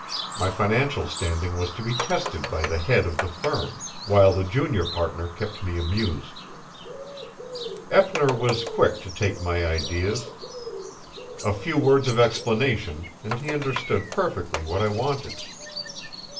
My financial standing was to be tested by the head of the firm, while the junior partner kept me amused. Eppner was quick to take my ideas. A few words of explanation, and he understood perfectly what I wanted.